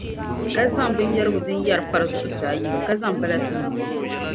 ka zaŋ binyɛribili din yɛri pari zuɣusaa yɛli o, ka zaŋ balati lo o.